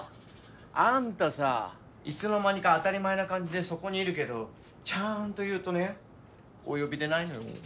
あんたさいつの間にか当たり前な感じでそこにいるけどちゃーんと言うとねお呼びでないのよ？